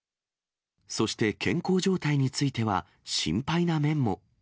そして健康状態については、心配な面も。